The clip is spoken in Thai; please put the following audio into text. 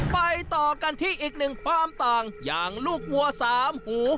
ไปต่อกันที่อีกหนึ่งความต่างอย่างลูกวัวสามหู